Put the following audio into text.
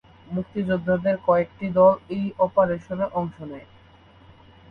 মুক্তিযোদ্ধাদের কয়েকটি দল এই অপারেশনে অংশ নেয়।